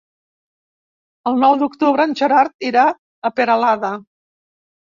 El nou d'octubre en Gerard irà a Peralada.